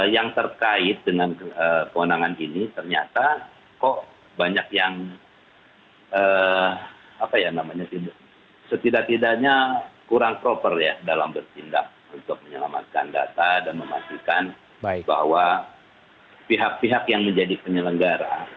yang terkait dengan kewenangan ini ternyata kok banyak yang setidak tidaknya kurang proper ya dalam bertindak untuk menyelamatkan data dan memastikan bahwa pihak pihak yang menjadi penyelenggara